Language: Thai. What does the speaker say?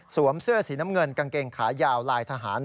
เสื้อสีน้ำเงินกางเกงขายาวลายทหาร